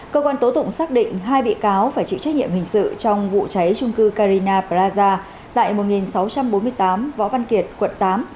cơ quan tố tụng xác định hai bị cáo phải chịu trách nhiệm hình sự trong vụ cháy trung cư carina praza tại một nghìn sáu trăm bốn mươi tám võ văn kiệt quận tám